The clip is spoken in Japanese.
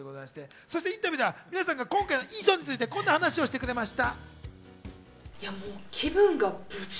そしてインタビューでは皆さんが今回の衣装についてこんな話をしてくれました。